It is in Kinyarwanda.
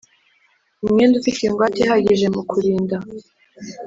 Umwenda ufite ingwate ihagije mu kurinda